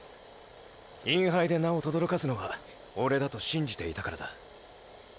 インハイで名を轟かすのはオレだと信じていたからだ。